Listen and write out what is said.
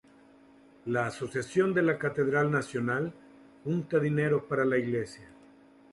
La "Asociación de la Catedral Nacional", junta dinero para la iglesia.